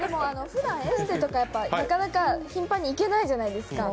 ふだんエステとかなかなか頻繁にいけないじゃないですか。